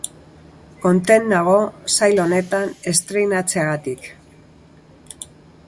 Kontent nago sail honetan estreinatzeagatik.